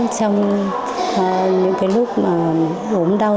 trong những lúc ốm đau